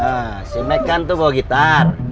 hah si mec kan itu bawa gitar